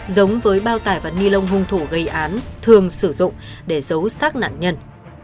giống với bao tải và ni lông hung thủ gây án thường sử dụng để giấu sát nạn nhân